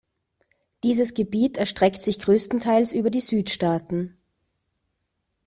Dieses Gebiet erstreckt sich größtenteils über die Südstaaten.